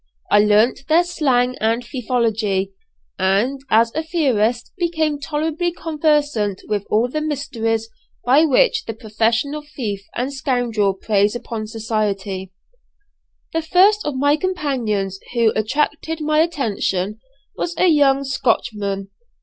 I learnt their slang and thiefology, and as a theorist became tolerably conversant with all the mysteries by which the professional thief and scoundrel preys upon society. The first of my companions who attracted my attention was a young Scotchman.